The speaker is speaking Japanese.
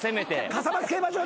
笠松競馬場。